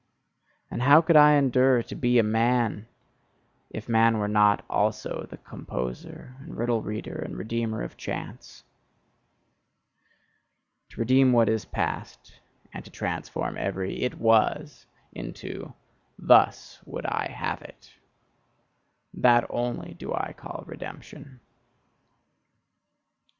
And how could I endure to be a man, if man were not also the composer, and riddle reader, and redeemer of chance! To redeem what is past, and to transform every "It was" into "Thus would I have it!" that only do I call redemption!